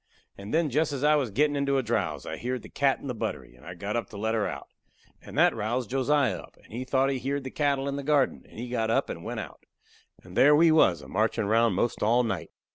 And then jest as I was gettin' into a drowse, I heered the cat in the buttery, and I got up to let her out. And that roused Josiah up, and he thought he heered the cattle in the garden, and he got up and went out. And there we was a marchin' round 'most all night.